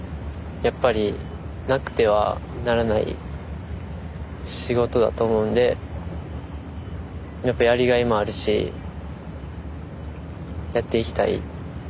やっぱりなくてはならない仕事だと思うんでやっぱやりがいもあるしやっていきたい。